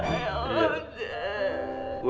nggak ada apa